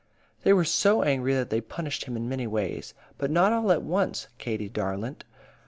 "They were so angry that they punished him in many ways. But not all at once, Katie darlint.